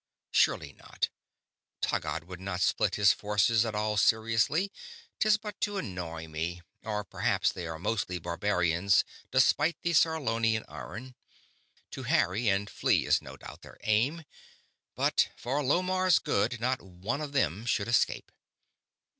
Surely not Taggad would not split his forces at all seriously: 'tis but to annoy me ... or perhaps they are mostly barbarians despite the Sarlonian iron ... to harry and flee is no doubt their aim, but for Lomarr's good not one of them should escape.